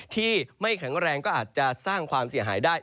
ที่ไม่แข็งแรงก็อาจจะสร้างความเสียหายได้